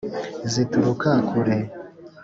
zituruka kure